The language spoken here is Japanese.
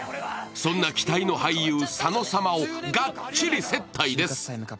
そんな期待の俳優、佐野様をがっちり接待です。